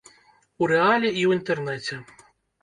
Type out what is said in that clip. У рэале і ў інтэрнэце.